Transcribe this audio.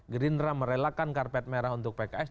gerindra merelakan karpet merah untuk pks